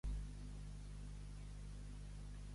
Cau es determini per lluny que el dia sigui.